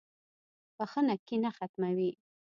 • بخښنه کینه ختموي.